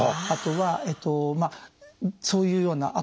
あとはそういうような。